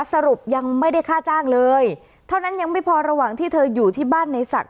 สรุปยังไม่ได้ค่าจ้างเลยเท่านั้นยังไม่พอระหว่างที่เธออยู่ที่บ้านในศักดิ